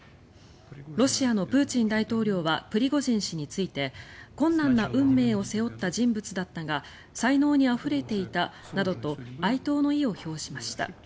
ロシアのプーチン大統領はプリゴジン氏について困難な運命を背負った人物だったが才能にあふれていたなどと哀悼の意を表しました。